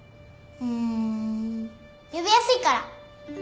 んー呼びやすいから。